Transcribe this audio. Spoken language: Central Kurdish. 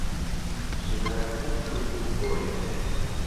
ژنان هەر فڵقوهۆڕیان بوو!